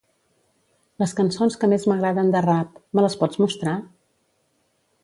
Les cançons que més m'agraden de rap; me les pots mostrar?